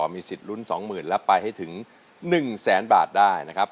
มีสิทธิ์ลุ้นสองหมื่นรับปลายให้ถึงหนึ่งแสนบาทได้นะครับ